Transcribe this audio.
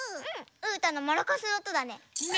うーたんのマラカスのおとだね。ね。